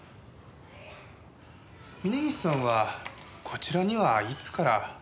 峰岸さんはこちらにはいつから？